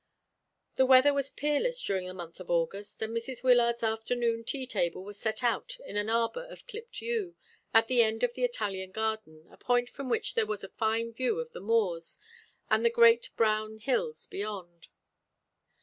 The weather was peerless during this month of August, and Mrs. Wyllard's afternoon tea table was set out in an arbour of clipped yew, at the end of the Italian garden, a point from which there was a fine view of the moors, and the great brown hills beyond.